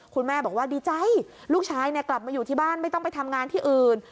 คุณแม่บอกว่าดีใจลูกชายกลับมาอยู่ที่บ้านไม่ต้องไปทำงานที่อื่น